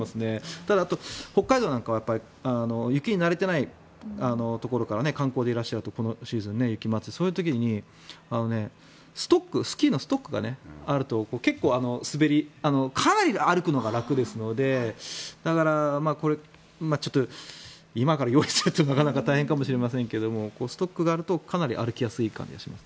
ただ、北海道なんかは雪に慣れてないところから観光でいらっしゃるとこのシーズン雪まつりそういう時にスキーのストックがあるとかなり歩くのが楽ですのでだから、ちょっと今から用意するのはなかなか大変かもしれませんがストックがあるとかなり歩きやすいかもしれません。